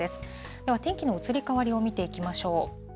では、天気の移り変わりを見ていきましょう。